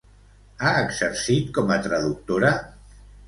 Ha exercit com a traductora?